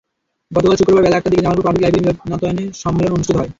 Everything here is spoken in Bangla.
গতকাল শুক্রবার বেলা একটার দিকে জামালপুর পাবলিক লাইব্রেরি মিলনায়তনে সম্মেলন অনুষ্ঠিত হয়।